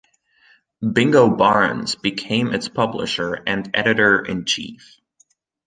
Bingo Barnes became its publisher and editor-in-chief.